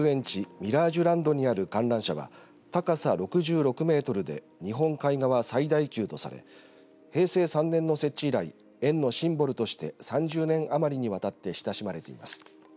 ミラージュランドにある観覧車は高さ６６メートルで日本海側最大級とされ平成３年の設置以来園のシンボルとして３０年余りにわたって親しまれています。